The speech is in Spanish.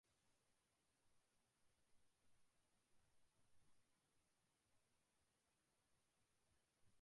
Para colorear cada figura se utiliza un criterio matemático riguroso.